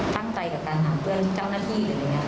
ตั้งใจกับการหาเพื่อนเจ้าหน้าที่